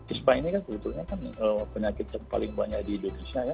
ispa ini kan sebetulnya kan penyakit yang paling banyak di indonesia ya